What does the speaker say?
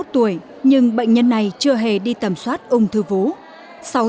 năm mươi một tuổi nhưng bệnh nhân này chưa hề đi tầm soát ung thư vú